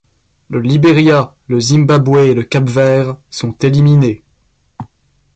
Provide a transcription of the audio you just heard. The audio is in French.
Le Liberia, le Zimbabwe et le Cap Vert sont éliminés.